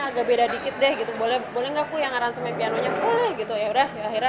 agak beda dikit deh gitu boleh boleh nggak aku yang aransemen pianonya boleh gitu ya udah akhirnya